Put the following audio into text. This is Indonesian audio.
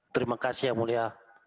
terima kasih yang mulia